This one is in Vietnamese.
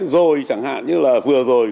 rồi chẳng hạn như là vừa rồi